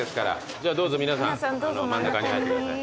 じゃあどうぞ皆さん真ん中に入ってください。